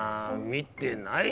見てない！